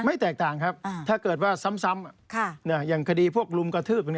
แตกต่างครับถ้าเกิดว่าซ้ำอย่างคดีพวกลุมกระทืบ